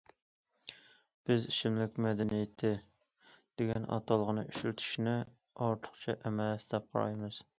بىز‹‹ ئىچىملىك مەدەنىيىتى›› دېگەن ئاتالغۇنى ئىشلىتىشنى ئارتۇقچە ئەمەس دەپ قارايمىز.